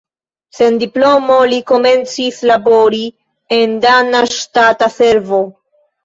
Sen diplomo li komencis labori en dana ŝtata servo.